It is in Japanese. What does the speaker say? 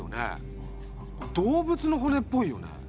動物の骨っぽいよね？